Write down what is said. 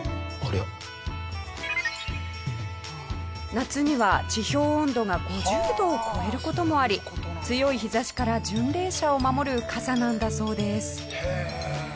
夏には地表温度が５０度を超える事もあり強い日差しから巡礼者を守る傘なんだそうです。